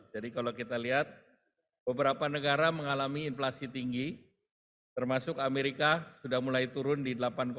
jadi kalau kita lihat beberapa negara mengalami inflasi tinggi termasuk amerika sudah mulai turun di delapan tiga